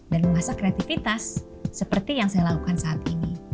dan mengasah kreativitas seperti yang saya lakukan saat ini